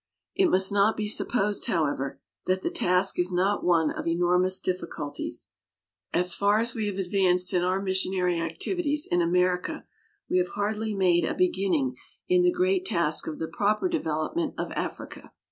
It must not be sup posed, however, that the task is not one of enormous difficulties. As far as we have advanced in our missionary activities in America, we have hardly made a beginning NORA GORDON 55 in the great task of the proper development of Africa.